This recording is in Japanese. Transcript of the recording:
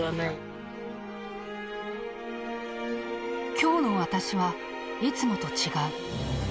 今日の私はいつもと違う。